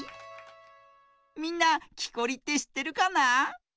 みんなきこりってしってるかな？